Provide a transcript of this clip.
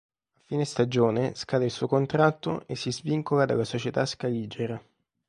A fine stagione scade il suo contratto e si svincola dalla società scaligera.